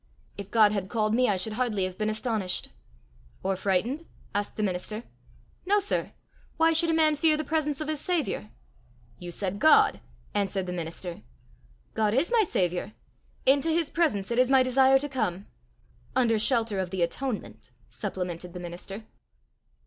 If God had called me, I should hardly have been astonished." "Or frightened?" asked the minister. "No, sir; why should a man fear the presence of his saviour?" "You said God!" answered the minister. "God is my saviour! Into his presence it is my desire to come." "Under shelter of the atonement," supplemented the minister.